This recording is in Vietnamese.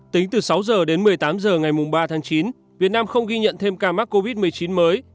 tính từ sáu h đến một mươi tám h ngày ba tháng chín việt nam không ghi nhận thêm ca mắc covid một mươi chín mới